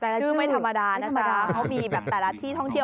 ชื่อไม่ธรรมดานะจ๊ะเขามีแบบแต่ละที่ท่องเที่ยว